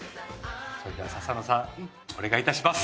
それでは笹野さんお願いいたします。